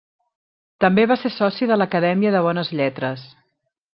També va ser soci de l'Acadèmia de Bones Lletres.